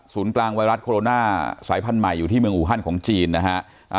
กลางไวรัสโคโรนาสายพันธุ์ใหม่อยู่ที่เมืองอูฮันของจีนนะฮะ